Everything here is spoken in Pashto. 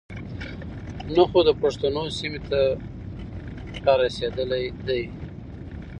نۀ خو د پښتنو سيمې ته را رسېدلے دے.